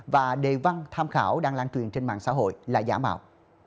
và đề văn tham khảo đang lan truyền trên mạng xã hội là giả mạo